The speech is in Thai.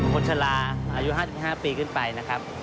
คนชะลาอายุ๕๕ปีขึ้นไปนะครับ